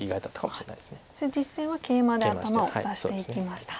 そして実戦はケイマで頭を出していきました。